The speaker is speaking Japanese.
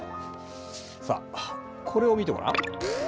さあこれを見てごらん。